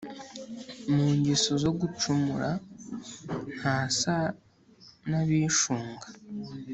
mu ngeso zo gucumura. ntasa n’abishunga